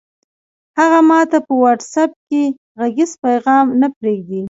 هغه ماته په وټس اپ کې غږیز پیغام نه پرېږدي!